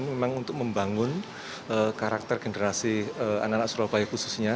memang untuk membangun karakter generasi anak anak surabaya khususnya